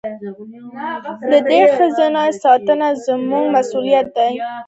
د دې خزانې ساتنه زموږ مسوولیت دی.